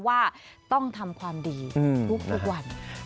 ว่าต้องทำความดีทุกวัน